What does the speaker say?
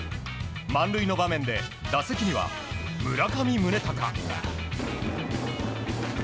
満塁の場面で、打席には村上宗隆。